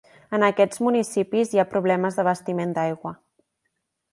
En aquests municipis hi ha problemes d'abastiment d'aigua.